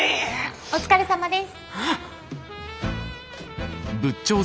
お疲れさまです。